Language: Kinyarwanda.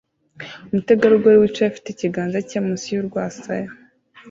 umutegarugori wicaye afite ikiganza cye munsi y'urwasaya